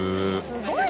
すごい！